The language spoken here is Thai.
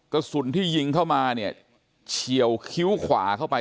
กระสุนที่ยิงเข้ามาเนี่ยเฉียวคิ้วขวาเข้าไป